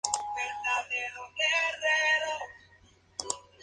F. Cn.